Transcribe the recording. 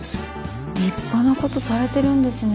立派なことされてるんですね。